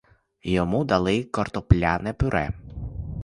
Йому дали картопляне пюре.